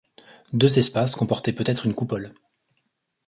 Deux espaces comportaient peut-être une coupole.